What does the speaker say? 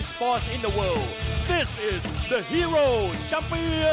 สวัสดีทุกคนสวัสดีทุกคน